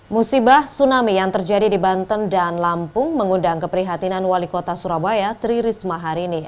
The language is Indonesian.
musibah tsunami yang terjadi di banten dan lampung mengundang keprihatinan wali kota surabaya tri risma hari ini